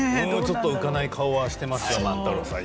浮かない顔をしていました万太郎さん。